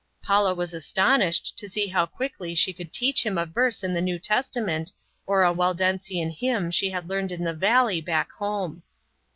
Paula was astonished to see how quickly she could teach him a verse in the New Testament or a Waldensian hymn she had learned in the valley back home.